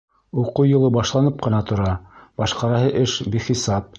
— Уҡыу йылы башланып ҡына тора, башҡараһы эш бихисап.